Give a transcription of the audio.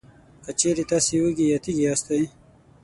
که چېرې تاسې وږي یا تږي یاستی،